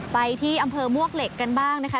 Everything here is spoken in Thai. ไปที่อำเภอมวกเหล็กกันบ้างนะคะ